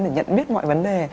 để nhận biết mọi vấn đề